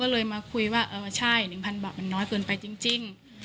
ก็เลยมาคุยว่าใช่๑๐๐๐บาทคุณก็น้อยเกินไปจริง